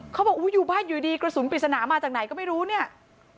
เขาบอกอยู่บ้านอยู่ดีกระสุนปริศนามาจากไหนก็ไม่รู้เนี่ย